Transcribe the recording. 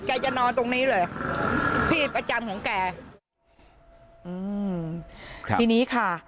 จะนอนตรงนี้เลยพี่ประจำของแกอืมครับทีนี้ค่ะ